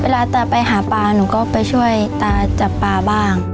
ถ้าไปหาปลาหนุ่งด้วยไปช่วยจับปลาบ้าง